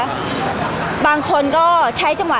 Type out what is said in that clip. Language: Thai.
พี่ตอบได้แค่นี้จริงค่ะ